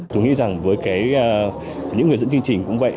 tôi nghĩ rằng với những người dẫn chương trình cũng vậy